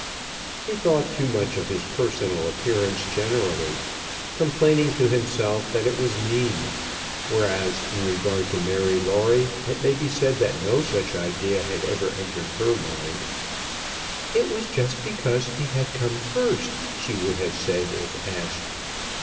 He thought too much of his personal appearance generally, complaining to himself that it was mean; whereas in regard to Mary Lawrie, it may be said that no such idea had ever entered her mind. "It was just because he had come first," she would have said if asked.